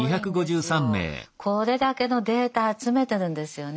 これだけのデータ集めてるんですよね。